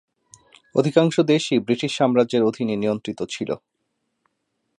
অধিকাংশ দেশই ব্রিটিশ সাম্রাজ্যের অধীনে নিয়ন্ত্রিত ছিল।